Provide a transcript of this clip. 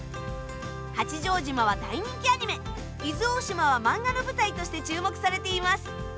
八丈島は大人気アニメ、伊豆大島は漫画の舞台として注目されています。